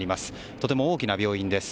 とても大きな郵便局です。